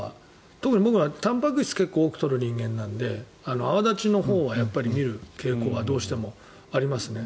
特に僕は、たんぱく質を結構多く取る人間なので泡立ちのほうは見る傾向はどうしてもありますね。